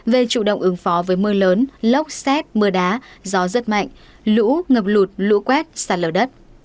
về chủ động ứng phó với mưa lớn lốc xét mưa đá gió rất mạnh lũ ngập lụt lũ quét sạt lở đất